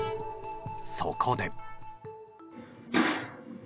そこで。